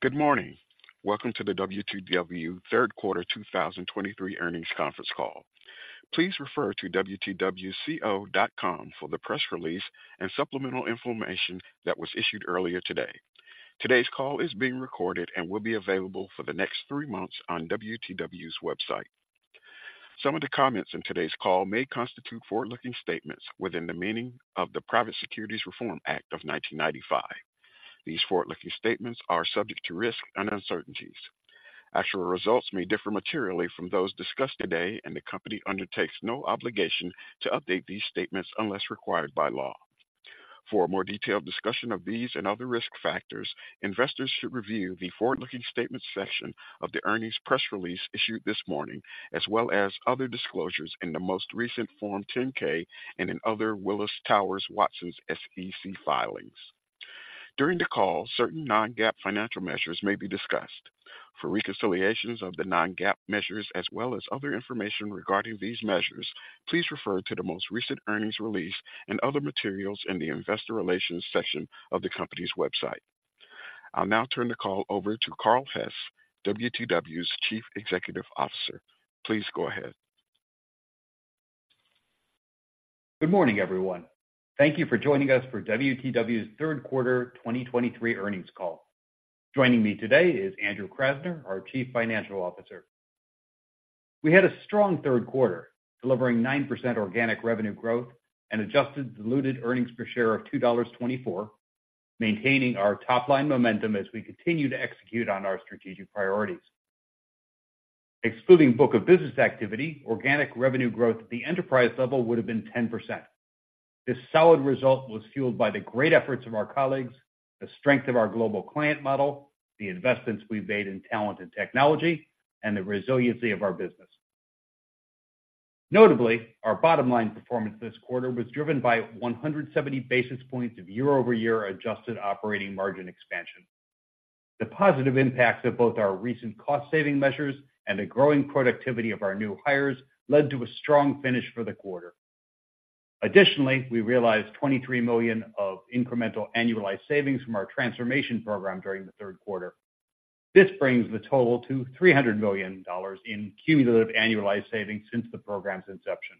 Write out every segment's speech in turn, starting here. Good morning! Welcome to the WTW third quarter 2023 earnings conference call. Please refer to wtwco.com for the press release and supplemental information that was issued earlier today. Today's call is being recorded and will be available for the next three months on WTW's website. Some of the comments in today's call may constitute forward-looking statements within the meaning of the Private Securities Reform Act of 1995. These forward-looking statements are subject to risks and uncertainties. Actual results may differ materially from those discussed today, and the company undertakes no obligation to update these statements unless required by law. For a more detailed discussion of these and other risk factors, investors should review the forward-looking statements section of the earnings press release issued this morning, as well as other disclosures in the most recent Form 10-K and in other Willis Towers Watson's SEC filings. During the call, certain non-GAAP financial measures may be discussed. For reconciliations of the non-GAAP measures as well as other information regarding these measures, please refer to the most recent earnings release and other materials in the investor relations section of the company's website. I'll now turn the call over to Carl Hess, WTW's Chief Executive Officer. Please go ahead. Good morning, everyone. Thank you for joining us for WTW's third quarter 2023 earnings call. Joining me today is Andrew Krasner, our Chief Financial Officer. We had a strong third quarter, delivering 9% organic revenue growth and adjusted diluted earnings per share of $2.24, maintaining our top-line momentum as we continue to execute on our strategic priorities. Excluding book of business activity, organic revenue growth at the enterprise level would have been 10%. This solid result was fueled by the great efforts of our colleagues, the strength of our global client model, the investments we've made in talent and technology, and the resiliency of our business. Notably, our bottom line performance this quarter was driven by 170 basis points of year-over-year adjusted operating margin expansion. The positive impacts of both our recent cost-saving measures and the growing productivity of our new hires led to a strong finish for the quarter. Additionally, we realized $23 million of incremental annualized savings from our transformation program during the third quarter. This brings the total to $300 million in cumulative annualized savings since the program's inception.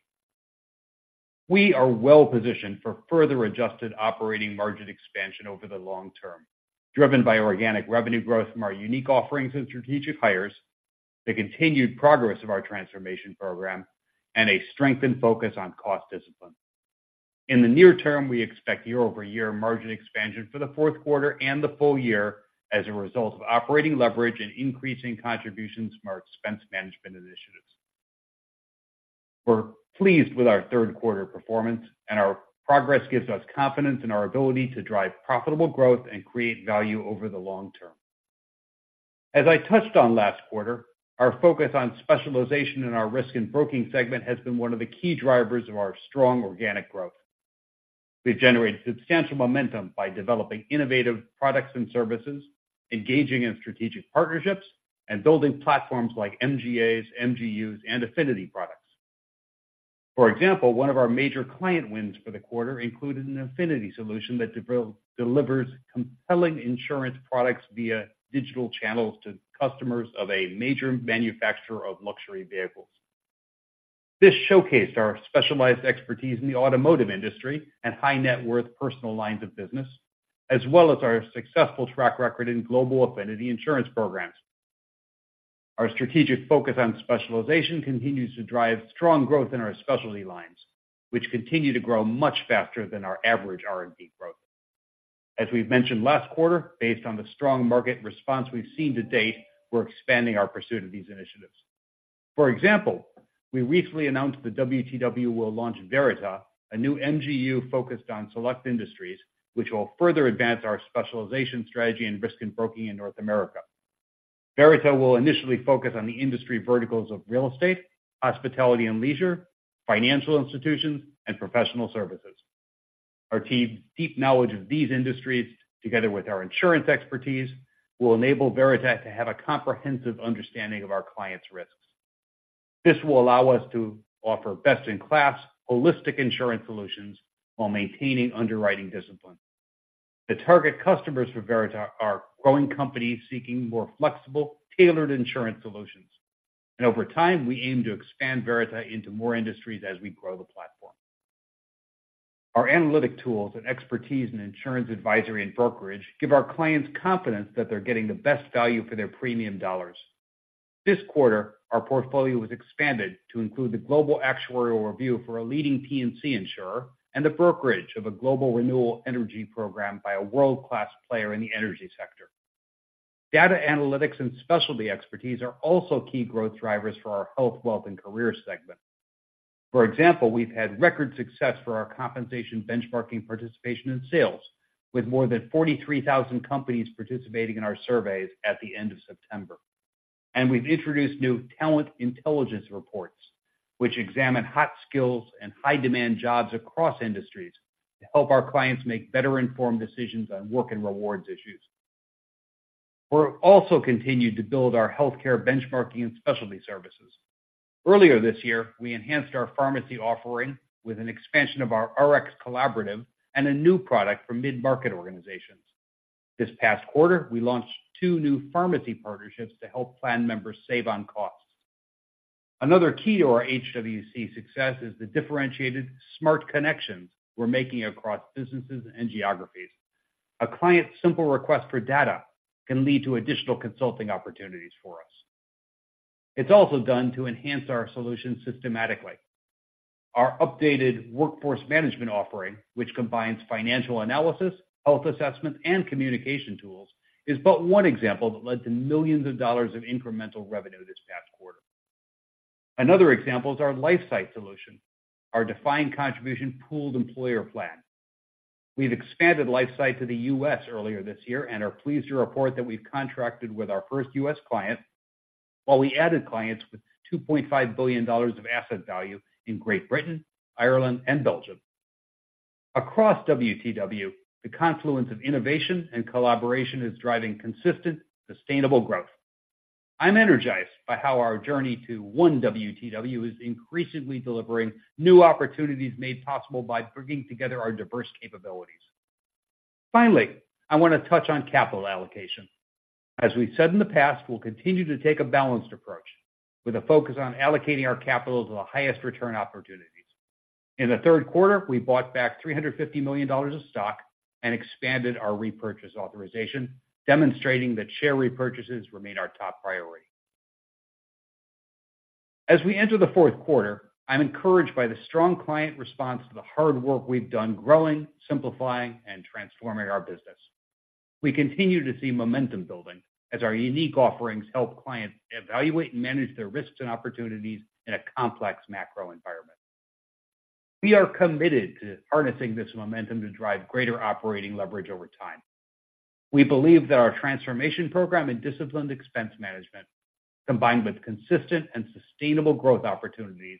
We are well positioned for further adjusted operating margin expansion over the long term, driven by organic revenue growth from our unique offerings and strategic hires, the continued progress of our transformation program, and a strengthened focus on cost discipline. In the near term, we expect year-over-year margin expansion for the fourth quarter and the full-year as a result of operating leverage and increasing contributions from our expense management initiatives. We're pleased with our third quarter performance, and our progress gives us confidence in our ability to drive profitable growth and create value over the long term. As I touched on last quarter, our focus on specialization in our Risk and Broking segment has been one of the key drivers of our strong organic growth. We've generated substantial momentum by developing innovative products and services, engaging in strategic partnerships, and building platforms like MGAs, MGUs, and affinity products. For example, one of our major client wins for the quarter included an affinity solution that delivers compelling insurance products via digital channels to customers of a major manufacturer of luxury vehicles. This showcased our specialized expertise in the automotive industry and high-net-worth personal lines of business, as well as our successful track record in global affinity insurance programs. Our strategic focus on specialization continues to drive strong growth in our specialty lines, which continue to grow much faster than our average R&B growth. As we've mentioned last quarter, based on the strong market response we've seen to date, we're expanding our pursuit of these initiatives. For example, we recently announced that WTW will launch Verita, a new MGU focused on select industries, which will further advance our specialization, strategy, and Risk and Broking in North America. Verita will initially focus on the industry verticals of real estate, hospitality and leisure, financial institutions, and professional services. Our team's deep knowledge of these industries, together with our insurance expertise, will enable Verita to have a comprehensive understanding of our clients' risks. This will allow us to offer best-in-class, holistic insurance solutions while maintaining underwriting discipline. The target customers for Verita are growing companies seeking more flexible, tailored insurance solutions. Over time, we aim to expand Verita into more industries as we grow the platform. Our analytic tools and expertise in insurance advisory and brokerage give our clients confidence that they're getting the best value for their premium dollars. This quarter, our portfolio was expanded to include the global actuarial review for a leading P&C insurer and the brokerage of a global renewable energy program by a world-class player in the energy sector. Data analytics and specialty expertise are also key growth drivers for our Health, Wealth, and Career segment. For example, we've had record success for our compensation benchmarking participation in sales, with more than 43,000 companies participating in our surveys at the end of September. And we've introduced new talent intelligence reports, which examine hot skills and high-demand jobs across industries to help our clients make better informed decisions on Work & Rewards issues. We're also continued to build our healthcare benchmarking and specialty services. Earlier this year, we enhanced our pharmacy offering with an expansion of our Rx Collaborative and a new product for mid-market organizations. This past quarter, we launched two new pharmacy partnerships to help plan members save on costs. Another key to our HWC success is the differentiated smart connections we're making across businesses and geographies. A client's simple request for data can lead to additional consulting opportunities for us. It's also done to enhance our solution systematically. Our updated workforce management offering, which combines financial analysis, Health assessment, and communication tools, is but one example that led to millions of dollars of incremental revenue this past quarter. Another example is our LifeSight solution, our defined contribution pooled employer plan. We've expanded LifeSight to the U.S. earlier this year and are pleased to report that we've contracted with our first U.S. client, while we added clients with $2.5 billion of asset value in Great Britain, Ireland, and Belgium. Across WTW, the confluence of innovation and collaboration is driving consistent, sustainable growth. I'm energized by how our journey to One WTW is increasingly delivering new opportunities made possible by bringing together our diverse capabilities. Finally, I want to touch on capital allocation. As we've said in the past, we'll continue to take a balanced approach with a focus on allocating our capital to the highest return opportunities. In the third quarter, we bought back $350 million of stock and expanded our repurchase authorization, demonstrating that share repurchases remain our top priority. As we enter the fourth quarter, I'm encouraged by the strong client response to the hard work we've done growing, simplifying, and transforming our business. We continue to see momentum building as our unique offerings help clients evaluate and manage their risks and opportunities in a complex macro environment. We are committed to harnessing this momentum to drive greater operating leverage over time. We believe that our transformation program and disciplined expense management, combined with consistent and sustainable growth opportunities,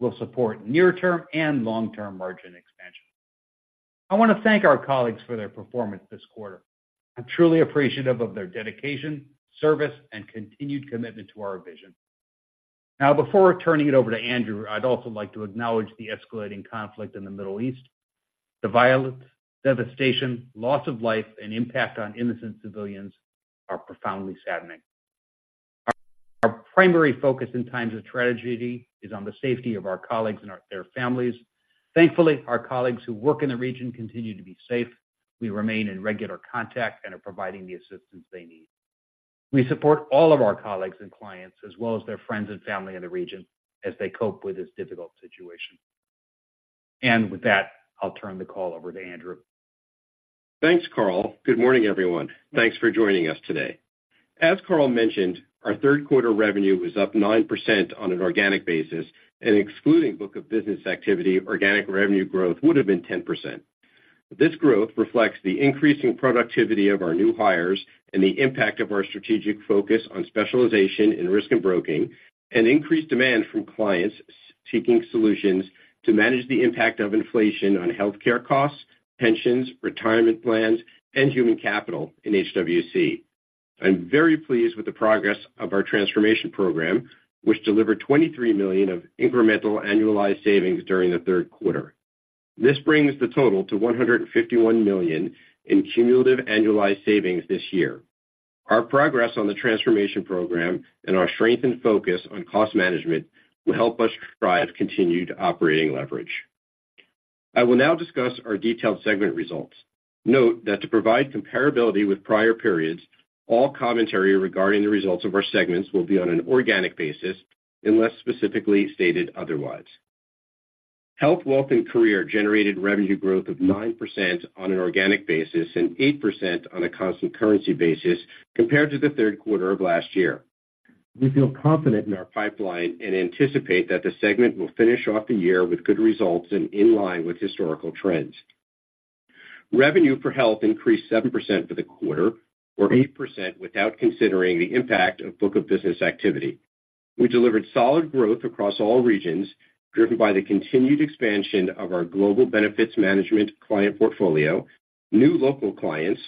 will support near-term and long-term margin expansion. I want to thank our colleagues for their performance this quarter. I'm truly appreciative of their dedication, service, and continued commitment to our vision. Now, before turning it over to Andrew, I'd also like to acknowledge the escalating conflict in the Middle East. The violence, devastation, loss of life, and impact on innocent civilians are profoundly saddening. Our primary focus in times of tragedy is on the safety of our colleagues and their families. Thankfully, our colleagues who work in the region continue to be safe. We remain in regular contact and are providing the assistance they need. We support all of our colleagues and clients, as well as their friends and family in the region, as they cope with this difficult situation. With that, I'll turn the call over to Andrew. Thanks, Carl. Good morning, everyone. Thanks for joining us today. As Carl mentioned, our third quarter revenue was up 9% on an organic basis and excluding book of business activity, organic revenue growth would have been 10%. This growth reflects the increasing productivity of our new hires and the impact of our strategic focus on specialization in Risk and Broking, and increased demand from clients seeking solutions to manage the impact of inflation on healthcare costs, pensions, retirement plans, and human capital in HWC. I'm very pleased with the progress of our transformation program, which delivered $23 million of incremental annualized savings during the third quarter. This brings the total to $151 million in cumulative annualized savings this year. Our progress on the transformation program and our strengthened focus on cost management will help us drive continued operating leverage. I will now discuss our detailed segment results. Note that to provide comparability with prior periods, all commentary regarding the results of our segments will be on an organic basis unless specifically stated otherwise. Health, Wealth, and Career generated revenue growth of 9% on an organic basis and 8% on a constant currency basis compared to the third quarter of last year. We feel confident in our pipeline and anticipate that the segment will finish off the year with good results and in line with historical trends. Revenue for health increased 7% for the quarter, or 8% without considering the impact of book of business activity. We delivered solid growth across all regions, driven by the continued expansion of our Global Benefits Management client portfolio, new local clients,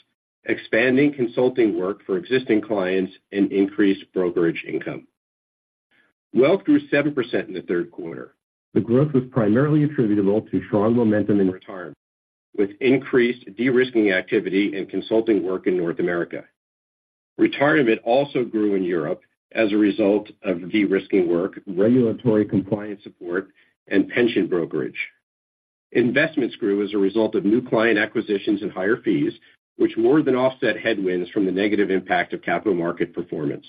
expanding consulting work for existing clients, and increased brokerage income. Wealth grew 7% in the third quarter. The growth was primarily attributable to strong momentum in Retirement, with increased de-risking activity and consulting work in North America. Retirement also grew in Europe as a result of de-risking work, regulatory compliance support, and pension brokerage. Investments grew as a result of new client acquisitions and higher fees, which more than offset headwinds from the negative impact of capital market performance.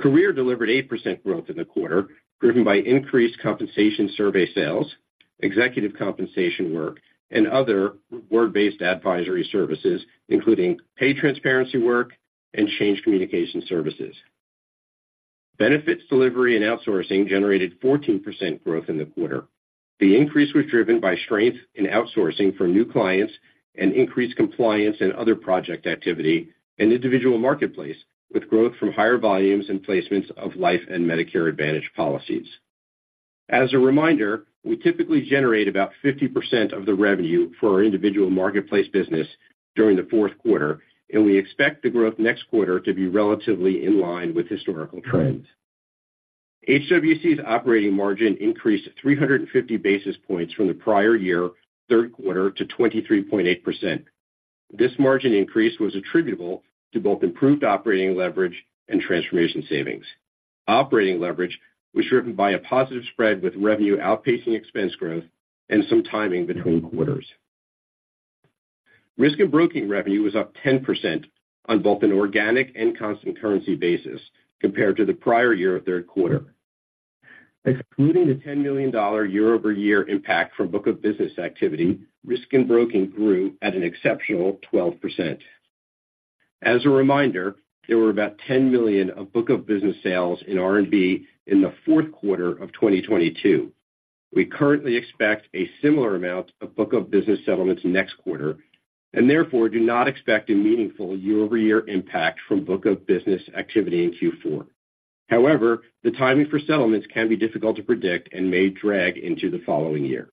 Career delivered 8% growth in the quarter, driven by increased compensation survey sales, executive compensation work, and other work-based advisory services, including pay transparency work and change communication services. Benefits Delivery and Outsourcing generated 14% growth in the quarter. The increase was driven by strength in outsourcing for new clients and increased compliance and other project activity, and Individual Marketplace, with growth from higher volumes and placements of life and Medicare Advantage policies. As a reminder, we typically generate about 50% of the revenue for our Individual Marketplace business during the fourth quarter, and we expect the growth next quarter to be relatively in line with historical trends. HWC's operating margin increased 350 basis points from the prior-year third quarter to 23.8%. This margin increase was attributable to both improved operating leverage and transformation savings. Operating leverage was driven by a positive spread, with revenue outpacing expense growth and some timing between quarters. Risk and broking revenue was up 10% on both an organic and constant currency basis compared to the prior-year third quarter. Excluding the $10 million year-over-year impact from book of business activity, Risk and Broking grew at an exceptional 12%. As a reminder, there were about $10 million of book of business sales in R&B in the fourth quarter of 2022. We currently expect a similar amount of book of business settlements next quarter, and therefore do not expect a meaningful year-over-year impact from book of business activity in Q4. However, the timing for settlements can be difficult to predict and may drag into the following year.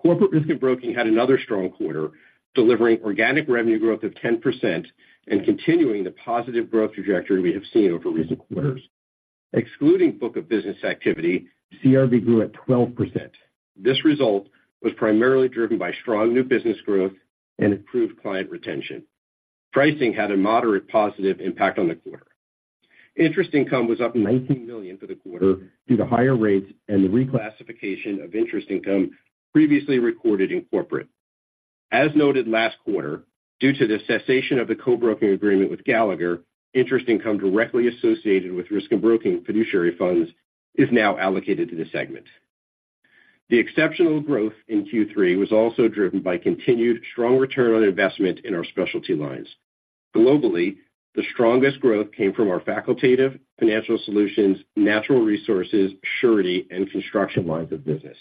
Corporate Risk and Broking had another strong quarter, delivering organic revenue growth of 10% and continuing the positive growth trajectory we have seen over recent quarters. Excluding book of business activity, CRB grew at 12%. This result was primarily driven by strong new business growth and improved client retention. Pricing had a moderate positive impact on the quarter. Interest income was up $19 million for the quarter due to higher rates and the reclassification of interest income previously recorded in corporate. As noted last quarter, due to the cessation of the co-broking agreement with Gallagher, interest income directly associated with Risk and Broking fiduciary funds is now allocated to the segment. The exceptional growth in Q3 was also driven by continued strong return on investment in our specialty lines. Globally, the strongest growth came from our Facultative Financial Solutions, Natural Resources, Surety, and Construction lines of business.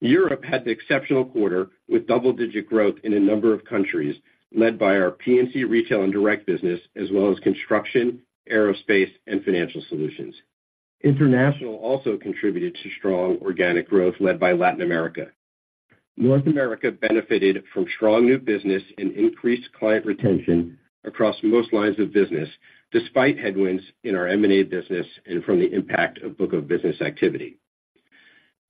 Europe had an exceptional quarter with double-digit growth in a number of countries, led by our P&C Retail and direct business, as well as Construction, Aerospace, and Financial Solutions. International also contributed to strong organic growth led by Latin America. North America benefited from strong new business and increased client retention across most lines of business, despite headwinds in our M&A business and from the impact of book of business activity.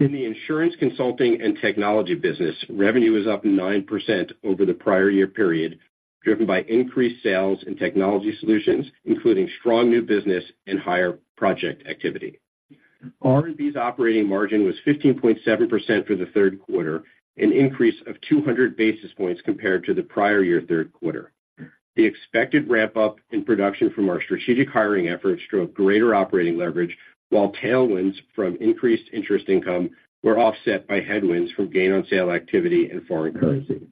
In the Insurance Consulting and Technology business, revenue is up 9% over the prior year period, driven by increased sales and technology solutions, including strong new business and higher project activity. R&B's operating margin was 15.7% for the third quarter, an increase of 200 basis points compared to the prior year third quarter. The expected ramp-up in production from our strategic hiring efforts drove greater operating leverage, while tailwinds from increased interest income were offset by headwinds from gain on sale activity and foreign currency.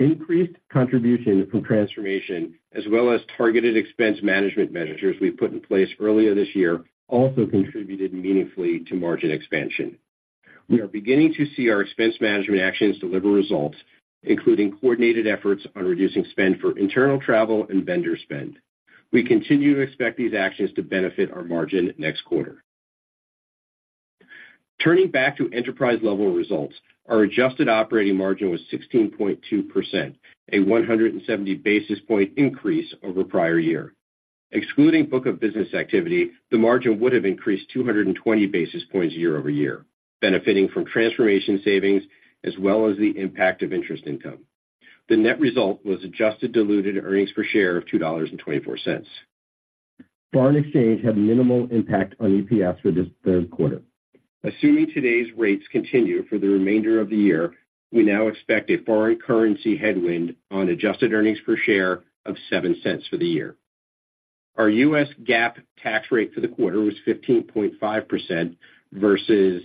Increased contribution from transformation, as well as targeted expense management measures we put in place earlier this year, also contributed meaningfully to margin expansion. We are beginning to see our expense management actions deliver results, including coordinated efforts on reducing spend for internal travel and vendor spend. We continue to expect these actions to benefit our margin next quarter. Turning back to enterprise-level results, our adjusted operating margin was 16.2%, a 170 basis point increase over prior year. Excluding book of business activity, the margin would have increased 220 basis points year-over-year, benefiting from transformation savings as well as the impact of interest income. The net result was adjusted diluted earnings per share of $2.24. Foreign exchange had minimal impact on EPS for this third quarter. Assuming today's rates continue for the remainder of the year, we now expect a foreign currency headwind on adjusted earnings per share of $0.07 for the year. Our US GAAP tax rate for the quarter was 15.5% versus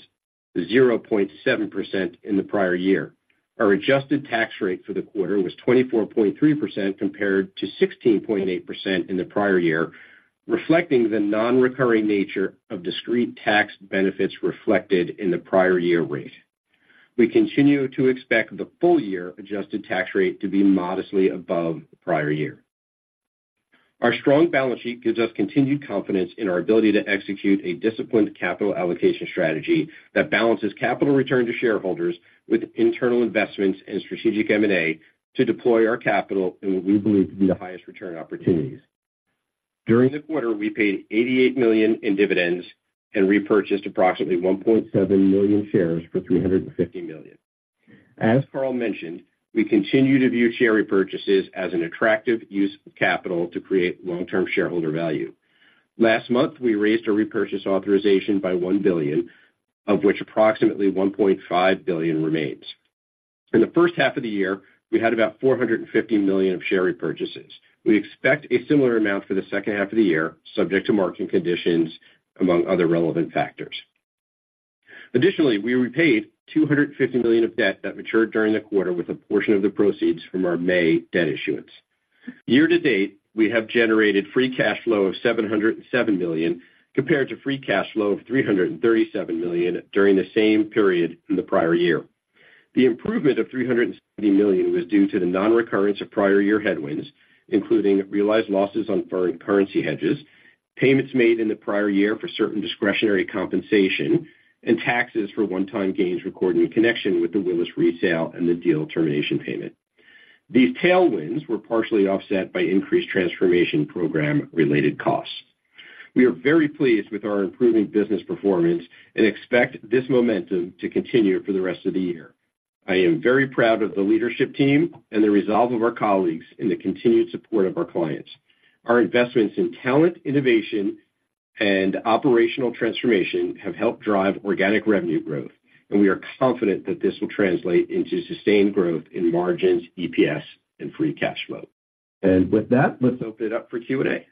0.7% in the prior year. Our adjusted tax rate for the quarter was 24.3%, compared to 16.8% in the prior year, reflecting the nonrecurring nature of discrete tax benefits reflected in the prior year rate. We continue to expect the full-year adjusted tax rate to be modestly above the prior year. Our strong balance sheet gives us continued confidence in our ability to execute a disciplined capital allocation strategy that balances capital return to shareholders with internal investments and strategic M&A to deploy our capital in what we believe to be the highest return opportunities. During the quarter, we paid $88 million in dividends and repurchased approximately 1.7 million shares for $350 million. As Carl mentioned, we continue to view share repurchases as an attractive use of capital to create long-term shareholder value. Last month, we raised our repurchase authorization by $1 billion, of which approximately $1.5 billion remains. In the first half of the year, we had about $450 million of share repurchases. We expect a similar amount for the second half of the year, subject to market conditions, among other relevant factors. Additionally, we repaid $250 million of debt that matured during the quarter with a portion of the proceeds from our May debt issuance. Year-to-date, we have generated free cash flow of $707 million, compared to free cash flow of $337 million during the same period in the prior year. The improvement of $370 million was due to the nonrecurrence of prior year headwinds, including realized losses on foreign currency hedges, payments made in the prior year for certain discretionary compensation, and taxes for one-time gains recorded in connection with the Willis resale and the deal termination payment. These tailwinds were partially offset by increased transformation program-related costs. We are very pleased with our improving business performance and expect this momentum to continue for the rest of the year. I am very proud of the leadership team and the resolve of our colleagues in the continued support of our clients. Our investments in talent, innovation, and operational transformation have helped drive organic revenue growth, and we are confident that this will translate into sustained growth in margins, EPS, and free cash flow. With that, let's open it up for Q&A.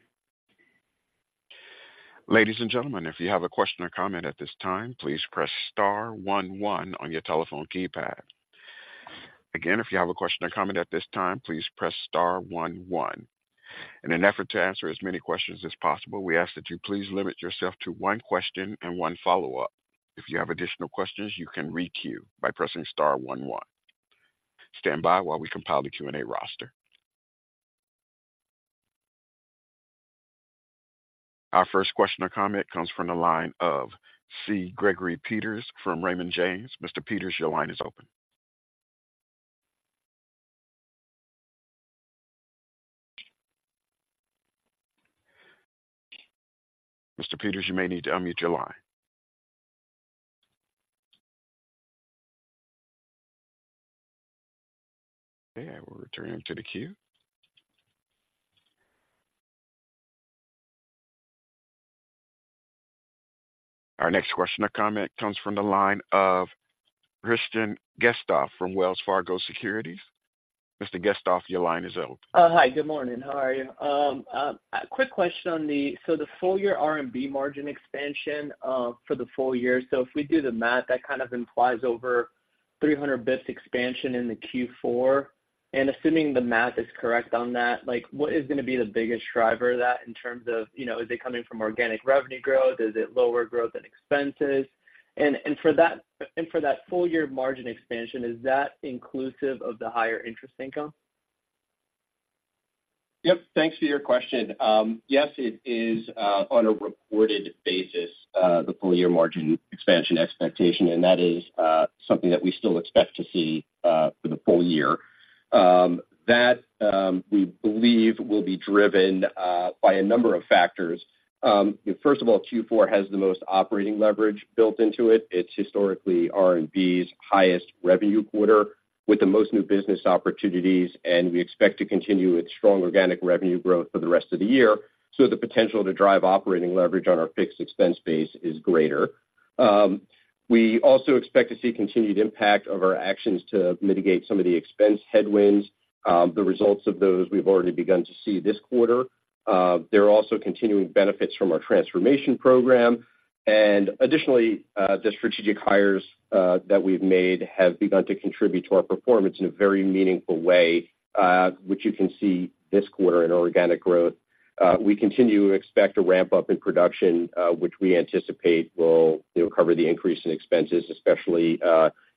Ladies and gentlemen, if you have a question or comment at this time, please press star one one on your telephone keypad. Again, if you have a question or comment at this time, please press star one one. In an effort to answer as many questions as possible, we ask that you please limit yourself to one question and one follow-up. If you have additional questions, you can re queue by pressing star one one. Stand by while we compile the Q&A roster. Our first question or comment comes from the line of C. Gregory Peters from Raymond James. Mr. Peters, your line is open. Mr. Peters, you may need to unmute your line. Okay, I will return him to the queue. Our next question or comment comes from the line of Hristian Getsov from Wells Fargo Securities. Mr. Getsov, your line is open. Hi, good morning. How are you? A quick question on the... So the full-year CRB margin expansion for the full-year. So if we do the math, that kind of implies over 300 BPS expansion in the Q4. And assuming the math is correct on that, like, what is going to be the biggest driver of that in terms of, you know, is it coming from organic revenue growth? Is it lower growth and expenses? And for that full-year margin expansion, is that inclusive of the higher interest income? Yep. Thanks for your question. Yes, it is on a reported basis the full-year margin expansion expectation, and that is something that we still expect to see for the full-year. That we believe will be driven by a number of factors. First of all, Q4 has the most operating leverage built into it. It's historically R&B's highest revenue quarter with the most new business opportunities, and we expect to continue with strong organic revenue growth for the rest of the year. So the potential to drive operating leverage on our fixed expense base is greater. We also expect to see continued impact of our actions to mitigate some of the expense headwinds. The results of those we've already begun to see this quarter. There are also continuing benefits from our transformation program. Additionally, the strategic hires that we've made have begun to contribute to our performance in a very meaningful way, which you can see this quarter in organic growth. We continue to expect a ramp-up in production, which we anticipate will cover the increase in expenses, especially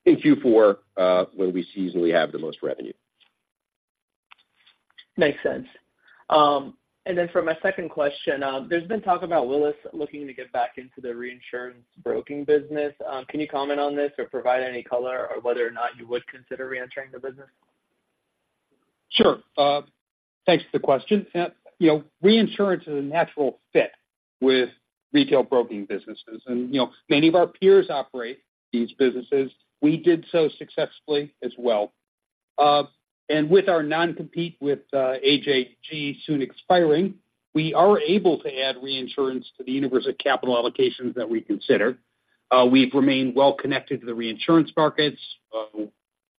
in Q4, when we seasonally have the most revenue. Makes sense. And then for my second question, there's been talk about Willis looking to get back into the reinsurance broking business. Can you comment on this or provide any color on whether or not you would consider reentering the business? Sure. Thanks for the question. You know, reinsurance is a natural fit with retail broking businesses, and, you know, many of our peers operate these businesses. We did so successfully as well. And with our non-compete with AJG soon expiring, we are able to add reinsurance to the universe of capital allocations that we consider. We've remained well connected to the reinsurance markets.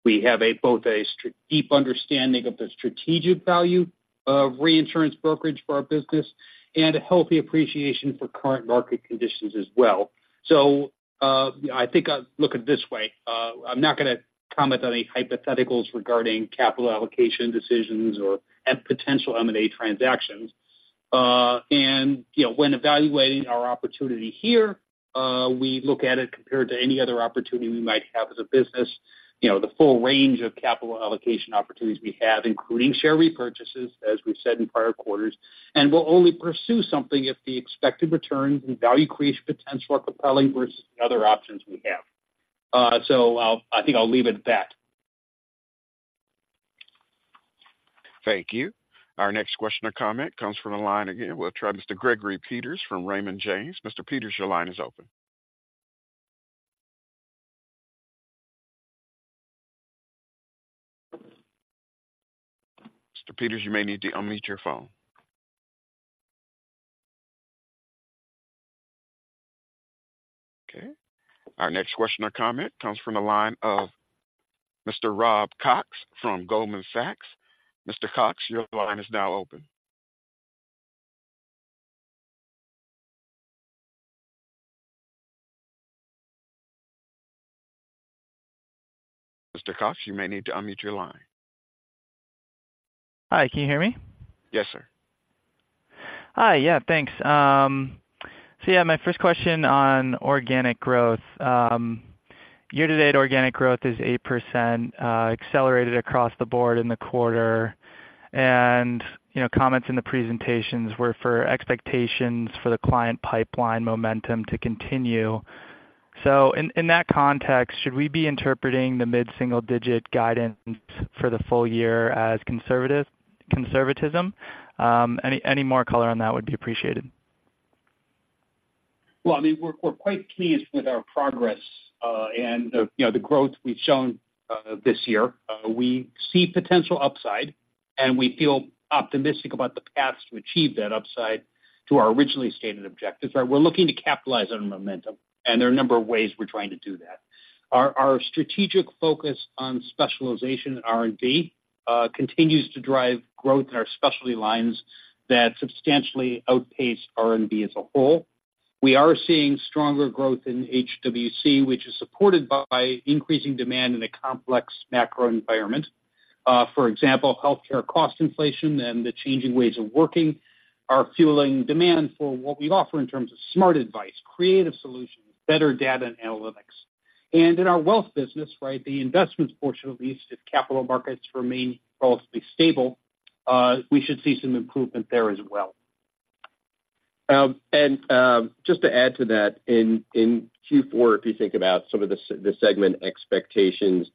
We have both a deep understanding of the strategic value of reinsurance brokerage for our business and a healthy appreciation for current market conditions as well. So, I think I'd look at it this way. I'm not going to comment on any hypotheticals regarding capital allocation decisions or potential M&A transactions. And, you know, when evaluating our opportunity here, we look at it compared to any other opportunity we might have as a business. You know, the full range of capital allocation opportunities we have, including share repurchases, as we've said in prior quarters. And we'll only pursue something if the expected returns and value creation potential are compelling versus other options we have. So, I think I'll leave it at that. Thank you. Our next question or comment comes from the line again. We'll try Mr. Gregory Peters from Raymond James. Mr. Peters, your line is open. Mr. Peters, you may need to unmute your phone. Okay. Our next question or comment comes from the line of Mr. Rob Cox from Goldman Sachs. Mr. Cox, your line is now open. Mr. Cox, you may need to unmute your line.... Hi, can you hear me? Yes, sir. Hi. Yeah, thanks. So yeah, my first question on organic growth. Year-to-date organic growth is 8%, accelerated across the board in the quarter. You know, comments in the presentations were for expectations for the client pipeline momentum to continue. So in that context, should we be interpreting the mid-single-digit guidance for the full-year as conservatism? Any more color on that would be appreciated. Well, I mean, we're quite pleased with our progress, and, you know, the growth we've shown this year. We see potential upside, and we feel optimistic about the paths to achieve that upside to our originally stated objectives, right? We're looking to capitalize on momentum, and there are a number of ways we're trying to do that. Our strategic focus on specialization in R&B continues to drive growth in our specialty lines that substantially outpace R&B as a whole. We are seeing stronger growth in HWC, which is supported by increasing demand in a complex macro environment. For example, healthcare cost inflation and the changing ways of working are fueling demand for what we offer in terms of smart advice, creative solutions, better data and analytics. In our wealth business, right, the investments portion, at least, if capital markets remain relatively stable, we should see some improvement there as well. And, just to add to that, in Q4, if you think about some of the segment expectations,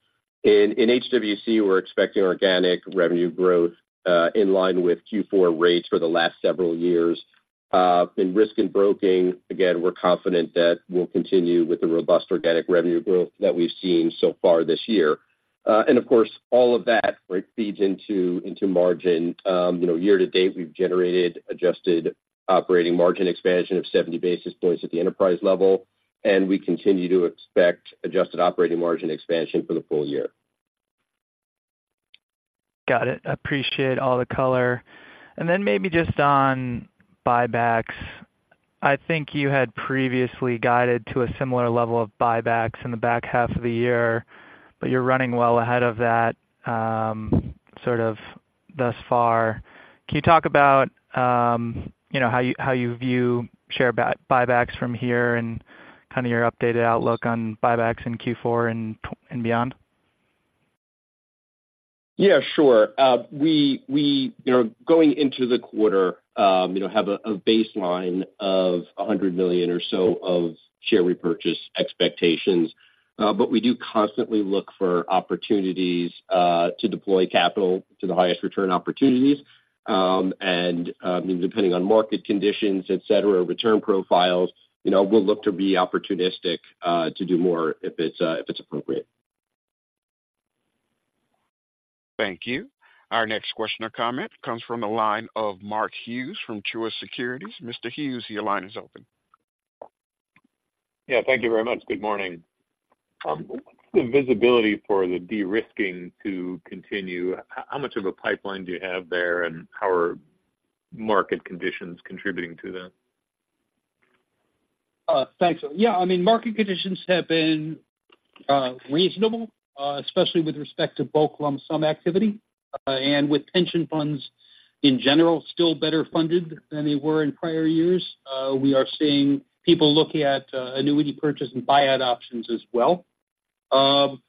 in HWC, we're expecting organic revenue growth in line with Q4 rates for the last several years. And of course, all of that, right, feeds into margin. You know, year-to-date, we've generated adjusted operating margin expansion of 70 basis points at the enterprise level, and we continue to expect adjusted operating margin expansion for the full-year. Got it. I appreciate all the color. And then maybe just on buybacks. I think you had previously guided to a similar level of buybacks in the back half of the year, but you're running well ahead of that, sort of thus far. Can you talk about, you know, how you, how you view share buy, buybacks from here and kind of your updated outlook on buybacks in Q4 and tw- and beyond? Yeah, sure. We, you know, going into the quarter, you know, have a baseline of $100 million or so of share repurchase expectations. But we do constantly look for opportunities to deploy capital to the highest return opportunities. And, depending on market conditions, et cetera, return profiles, you know, we'll look to be opportunistic to do more if it's appropriate. Thank you. Our next question or comment comes from the line of Mark Hughes from Truist Securities. Mr. Hughes, your line is open. Yeah, thank you very much. Good morning. What's the visibility for the de-risking to continue? How much of a pipeline do you have there, and how are market conditions contributing to that? Thanks. Yeah, I mean, market conditions have been reasonable, especially with respect to bulk lump sum activity, and with pension funds in general still better funded than they were in prior years. We are seeing people looking at annuity purchase and buyout options as well. Part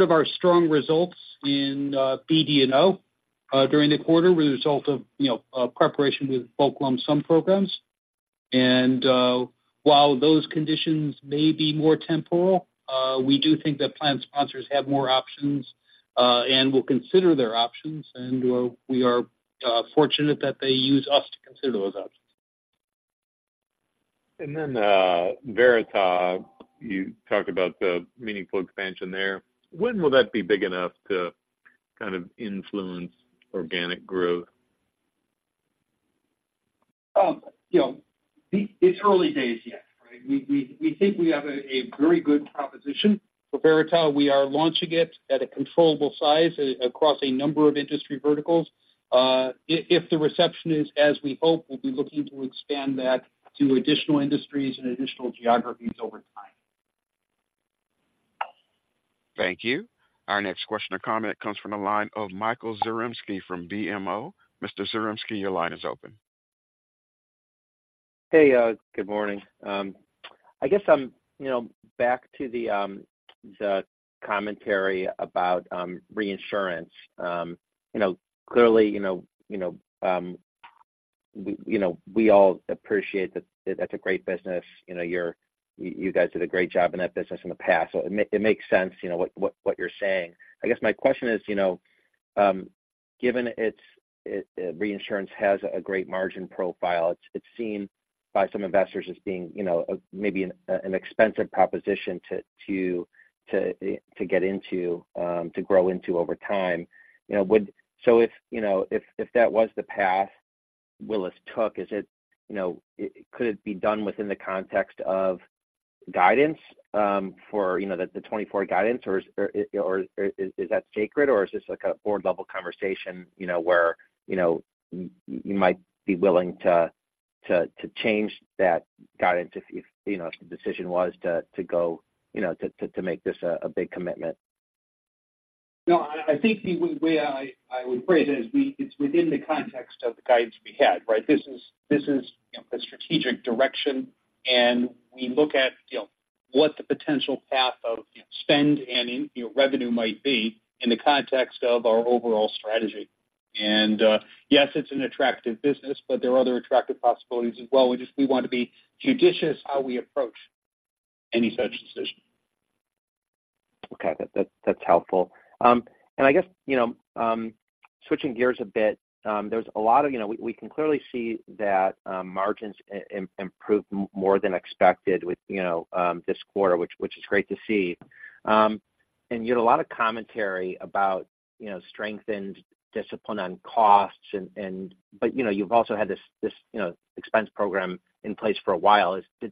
of our strong results in BD&O during the quarter were the result of, you know, preparation with bulk lump sum programs. And while those conditions may be more temporal, we do think that plan sponsors have more options and will consider their options, and we are fortunate that they use us to consider those options. Verita, you talked about the meaningful expansion there. When will that be big enough to kind of influence organic growth? You know, it's early days yet, right? We think we have a very good proposition for Verita. We are launching it at a controllable size across a number of industry verticals. If the reception is as we hope, we'll be looking to expand that to additional industries and additional geographies over time. Thank you. Our next question or comment comes from the line of Michael Zaremski from BMO. Mr. Zaremski, your line is open. Hey, good morning. I guess I'm, you know, back to the commentary about reinsurance. You know, clearly, you know, you know, we, you know, we all appreciate that that's a great business. You know, you guys did a great job in that business in the past, so it makes sense, you know, what, what, what you're saying. I guess my question is, you know, given its reinsurance has a great margin profile, it's seen by some investors as being, you know, a, maybe an, an expensive proposition to, to, to, to get into, to grow into over time. You know, would... So if, you know, if that was the path Willis took, is it, you know, could it be done within the context of guidance for, you know, the 2024 guidance, or is, or is that sacred, or is this, like, a board-level conversation, you know, where, you know, you might be willing to change that guidance if, you know, if the decision was to go, you know, to make this a big commitment? No, I think the way I would phrase it is we—it's within the context of the guidance we had, right? This is, this is, you know, the strategic direction, and we look at, you know, what the potential path of, you know, spend and, you know, revenue might be in the context of our overall strategy. And, yes, it's an attractive business, but there are other attractive possibilities as well. We just—we want to be judicious how we approach any such decision. Okay. That's helpful. And I guess, you know, switching gears a bit, there's a lot of, you know. We can clearly see that margins improved more than expected with, you know, this quarter, which is great to see. And you had a lot of commentary about, you know, strengthened discipline on costs and, but, you know, you've also had this expense program in place for a while. Is it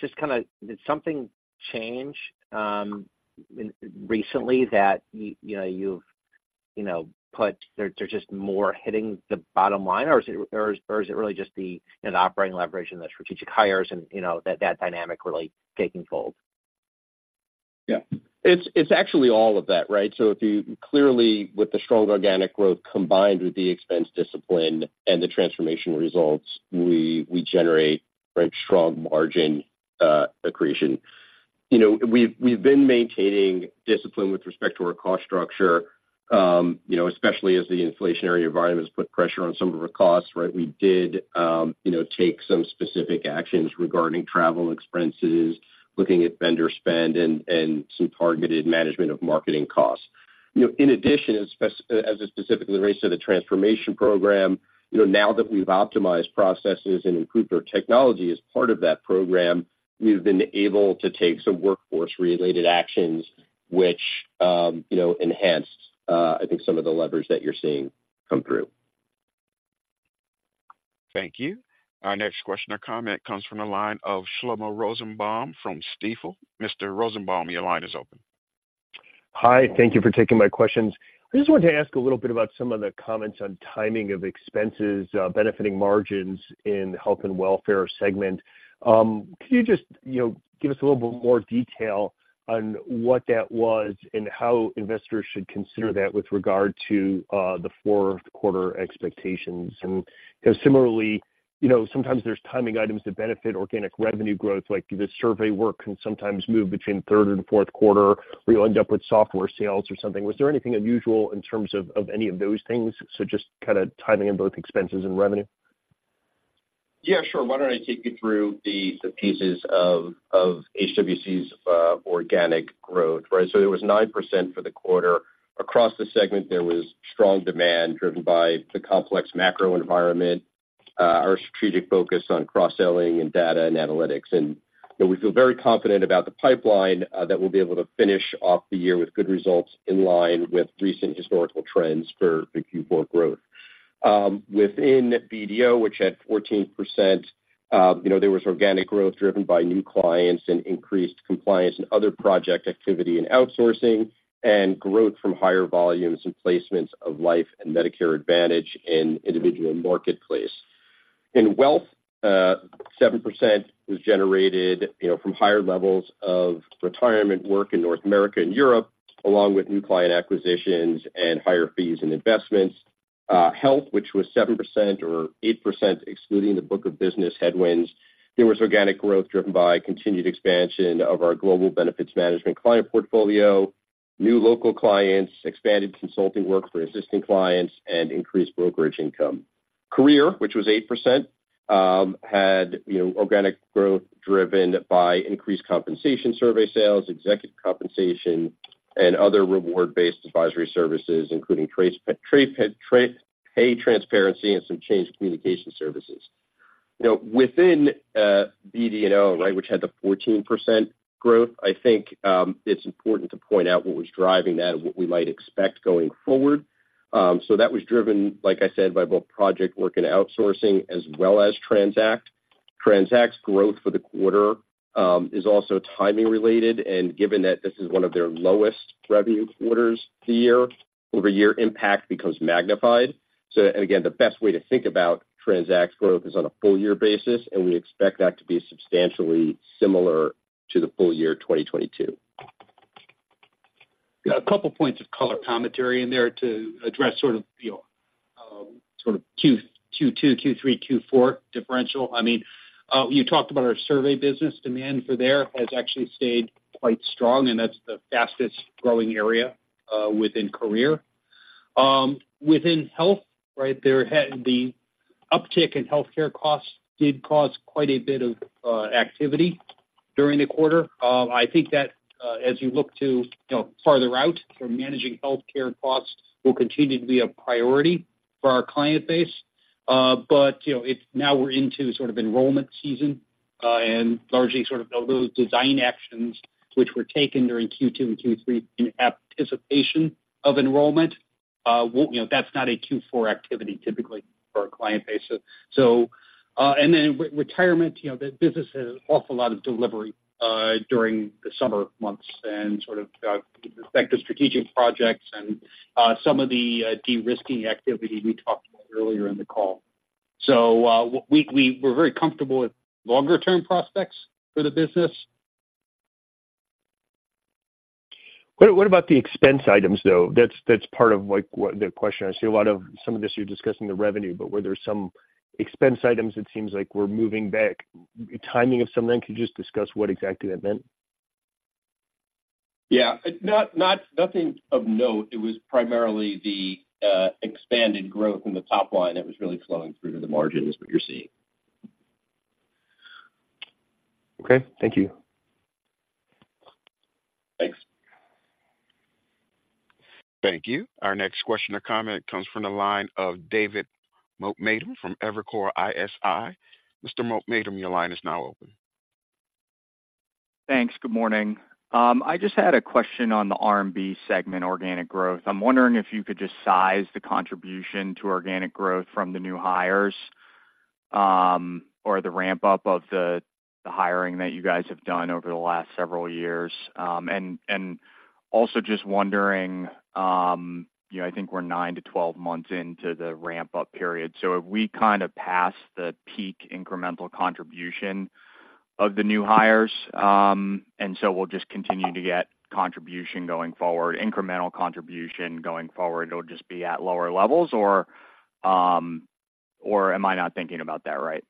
just kinda did something change recently that you've, you know, put. There's just more hitting the bottom line, or is it really just the, you know, operating leverage and the strategic hires and, you know, that dynamic really taking hold? Yeah. It's actually all of that, right? So clearly, with the strong organic growth, combined with the expense discipline and the transformation results, we generate, right, strong margin accretion. You know, we've been maintaining discipline with respect to our cost structure, you know, especially as the inflationary environment has put pressure on some of our costs, right? We did, you know, take some specific actions regarding travel expenses, looking at vendor spend and some targeted management of marketing costs. You know, in addition, as it specifically relates to the transformation program, you know, now that we've optimized processes and improved our technology as part of that program, we've been able to take some workforce-related actions, which, you know, enhanced, I think, some of the levers that you're seeing come through. Thank you. Our next question or comment comes from the line of Shlomo Rosenbaum from Stifel. Mr. Rosenbaum, your line is open. Hi, thank you for taking my questions. I just wanted to ask a little bit about some of the comments on timing of expenses benefiting margins in the Health and welfare segment. Could you just, you know, give us a little bit more detail on what that was and how investors should consider that with regard to the fourth quarter expectations? And, you know, similarly, you know, sometimes there's timing items that benefit organic revenue growth, like the survey work can sometimes move between third and fourth quarter, where you'll end up with software sales or something. Was there anything unusual in terms of any of those things, so just kind of timing in both expenses and revenue? Yeah, sure. Why don't I take you through the pieces of HWC's organic growth, right? So there was 9% for the quarter. Across the segment, there was strong demand driven by the complex macro environment, our strategic focus on cross-selling and data and analytics. And, you know, we feel very confident about the pipeline that we'll be able to finish off the year with good results in line with recent historical trends for the Q4 growth. Within BD&O, which had 14%, you know, there was organic growth driven by new clients and increased compliance and other project activity in outsourcing and growth from higher volumes and placements of life and Medicare Advantage in Individual Marketplace. In wealth, seven percent was generated, you know, from higher levels of Retirement work in North America and Europe, along with new client acquisitions and higher fees and investments. Health, which was 7% or 8%, excluding the book of business headwinds, there was organic growth driven by continued expansion of our global benefits management client portfolio, new local clients, expanded consulting work for existing clients, and increased brokerage income. Career, which was 8%, had, you know, organic growth driven by increased compensation survey sales, executive compensation, and other reward-based advisory services, including pay transparency and some change communication services. You know, within, BD&O, right, which had the 14% growth, I think, it's important to point out what was driving that and what we might expect going forward. So that was driven, like I said, by both project work and outsourcing as well as TranZact. TranZact's growth for the quarter is also timing related, and given that this is one of their lowest revenue quarters of the year, year-over-year impact becomes magnified. So again, the best way to think about TranZact's growth is on a full-year basis, and we expect that to be substantially similar to the full-year 2022. Yeah. A couple points of color commentary in there to address sort of, you know, sort of Q2, Q3, Q4 differential. I mean, you talked about our survey business. Demand for there has actually stayed quite strong, and that's the fastest-growing area within Career. Within Health, right, the uptick in healthcare costs did cause quite a bit of activity during the quarter. I think that as you look to, you know, farther out from managing healthcare costs will continue to be a priority for our client base. But, you know, it's now we're into sort of enrollment season, and largely sort of those design actions which were taken during Q2 and Q3 in anticipation of enrollment, you know, that's not a Q4 activity typically for our client base. So... And then Retirement, you know, that business has an awful lot of delivery during the summer months and sort of with respect to strategic projects and some of the de-risking activity we talked about earlier in the call. So, we're very comfortable with longer-term prospects for the business.... What, what about the expense items, though? That's, that's part of, like, what the question. I see a lot of some of this, you're discussing the revenue, but were there some expense items that seems like we're moving back? Timing of some of that, can you just discuss what exactly that meant? Yeah. It's not nothing of note. It was primarily the expanded growth in the top line that was really flowing through to the margin, is what you're seeing. Okay, thank you. Thanks. Thank you. Our next question or comment comes from the line of David Motemaden from Evercore ISI. Mr. Motemaden, your line is now open. Thanks. Good morning. I just had a question on the R&B segment, organic growth. I'm wondering if you could just size the contribution to organic growth from the new hires, or the ramp-up of the hiring that you guys have done over the last several years. Also just wondering, you know, I think we're 9-12 months into the ramp-up period. So if we kind of pass the peak incremental contribution of the new hires, and so we'll just continue to get contribution going forward, incremental contribution going forward, it'll just be at lower levels, or, or am I not thinking about that right?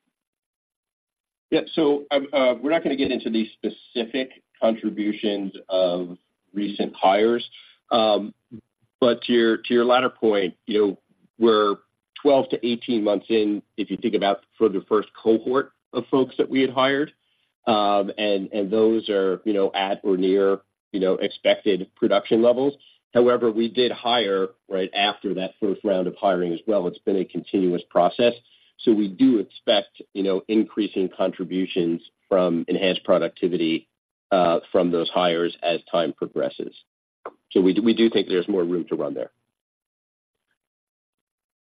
Yeah. So, we're not going to get into the specific contributions of recent hires. But to your latter point, you know, we're 12-18 months in, if you think about for the first cohort of folks that we had hired, and those are, you know, at or near, you know, expected production levels. However, we did hire right after that first round of hiring as well. It's been a continuous process. So we do expect, you know, increasing contributions from enhanced productivity from those hires as time progresses. So we do think there's more room to run there.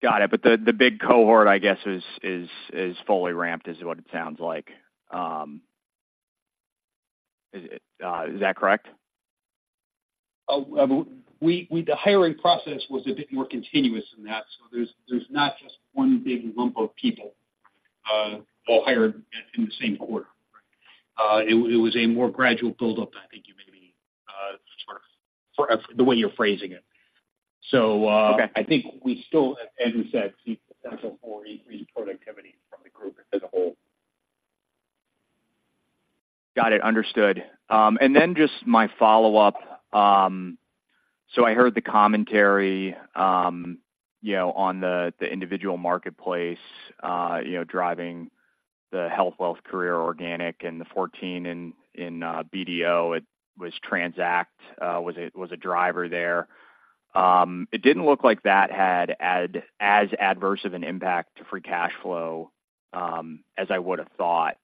Got it. But the big cohort, I guess, is fully ramped, is what it sounds like. Is that correct? The hiring process was a bit more continuous than that, so there's not just one big lump of people all hired in the same quarter. It was a more gradual buildup, I think you maybe sort of the way you're phrasing it. So, Okay. I think we still, as Andrew said, see potential for increased productivity from the group as a whole. Got it, understood. And then just my follow-up. So I heard the commentary, you know, on the Individual Marketplace, you know, driving the Health, wealth, career organic, and the 14% in BDA. It was TRANZACT, was a driver there. It didn't look like that had as adverse of an impact to free cash flow, as I would have thought.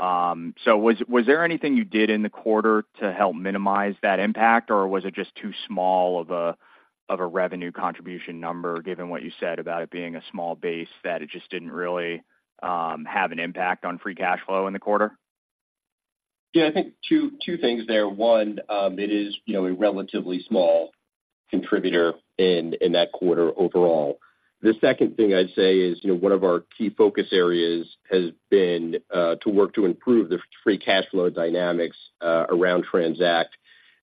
So was there anything you did in the quarter to help minimize that impact, or was it just too small of a revenue contribution number, given what you said about it being a small base, that it just didn't really have an impact on free cash flow in the quarter? Yeah, I think two things there. One, it is, you know, a relatively small contributor in that quarter overall. The second thing I'd say is, you know, one of our key focus areas has been to work to improve the Free Cash Flow dynamics around TRANZACT.